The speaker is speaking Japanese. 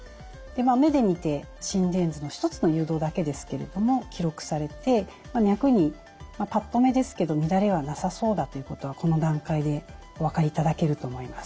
目で見て心電図の１つの誘導だけですけれども記録されて脈にパッと見ですけど乱れはなさそうだということはこの段階でお分かりいただけると思います。